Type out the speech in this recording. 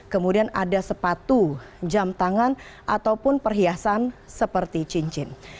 kemudian ada sepatu jam tangan ataupun perhiasan seperti cincin